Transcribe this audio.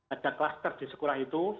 ada kluster di sekolah itu